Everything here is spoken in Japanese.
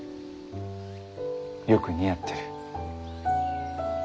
よく似合ってる。